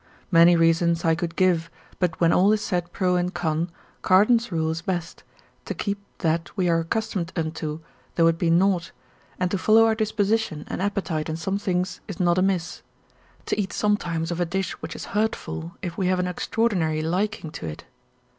Many reasons I could give, but when all is said pro and con, Cardan's rule is best, to keep that we are accustomed unto, though it be naught, and to follow our disposition and appetite in some things is not amiss; to eat sometimes of a dish which is hurtful, if we have an extraordinary liking to it.